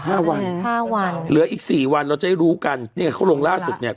ห้าวันห้าวันเหลืออีกสี่วันเราจะได้รู้กันเนี่ยเขาลงล่าสุดเนี้ย